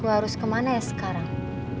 harus kemana ya sekarang